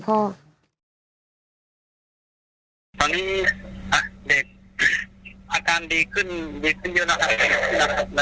ก็ตอนนี้ทางคณียังไม่ขึ้นมาแล้วเนอะ